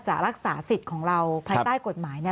รักษาสิทธิ์ของเราภายใต้กฎหมาย